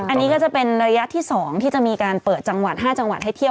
อันนี้ก็จะเป็นระยะที่ส่องที่มีการเปิด๕จังหวัดให้เที่ยว